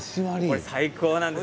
最高なんです。